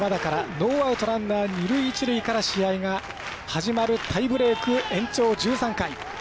ノーアウトランナー、一塁、二塁から始まるタイブレーク、延長１３回。